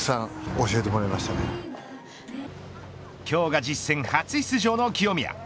今日が実戦初出場の清宮。